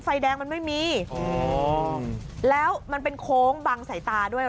ไฟแดงมันไม่มีโอ้โหแล้วมันเป็นโค้งบังสายตาด้วย